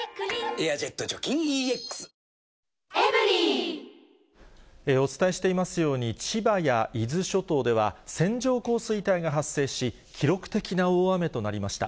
「エアジェット除菌ＥＸ」お伝えしていますように、千葉や伊豆諸島では、線状降水帯が発生し、記録的な大雨となりました。